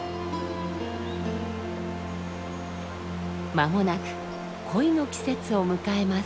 まもなく恋の季節を迎えます。